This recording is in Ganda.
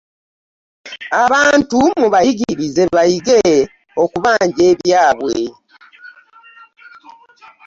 Abantu mubayigirize bayige okubanja ebyabwe.